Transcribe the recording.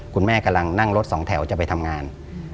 กำลังนั่งรถสองแถวจะไปทำงาน